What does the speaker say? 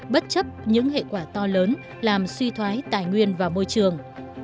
bất chấp những hệ quả to lớn làm suy thoái tài nguyên và môi trường